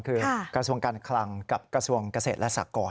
คือกระทรวงการคลังกับกระทรวงเกษตรและสากร